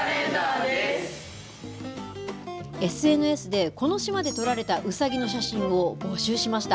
ＳＮＳで、この島で撮られたうさぎの写真を募集しました。